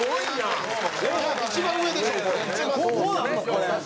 これ。